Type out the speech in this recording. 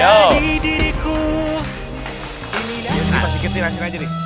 pasiketnya di sini aja di